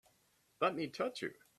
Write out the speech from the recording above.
Let me touch you!